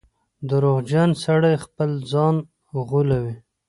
• دروغجن سړی خپل ځان غولوي.